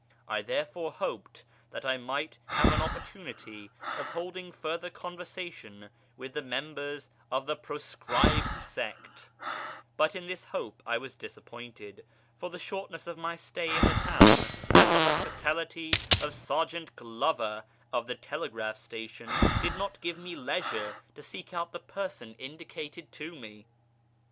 I therefore hoped that I might have an opportunity of holding further conversation with the members of the proscribed sect, but in this hope I was disappointed, for the shortness of my stay in the town, and the hospitality of Sergeant Glover of the telegraph station, did not give me leisure to seek out the person indicated to me.